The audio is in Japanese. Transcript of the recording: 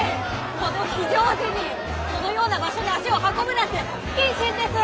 この非常時にこのような場所に足を運ぶなんて不謹慎です！